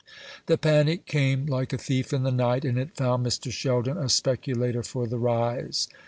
The panic came like a thief in the night, and it found Mr. Sheldon a speculator for the rise.